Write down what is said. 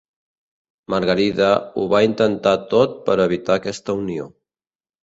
Margarida ho va intentar tot per evitar aquesta unió.